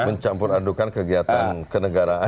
mencampur adukan kegiatan kenegaraan